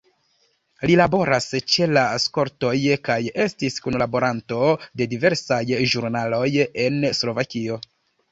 Li laboras ĉe la skoltoj kaj estis kunlaboranto de diversaj ĵurnaloj en Slovakio.